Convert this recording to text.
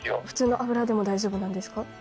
普通の油でも大丈夫なんですか？